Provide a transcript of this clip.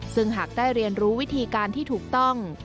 ซึ่งหากได้เรียนรู้วิธีการที่ถูกต้อง